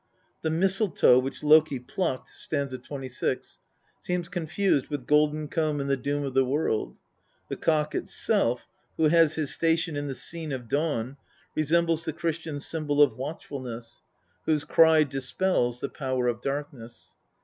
The mistletoe which Loki plucked (st. 26) seems con fused with Golden comb and the Doom of the World ; the cock itself, who has his station in the scene of dawn, resembles the Christian symbol of watchfulness, whose cry dispels the power of darkness.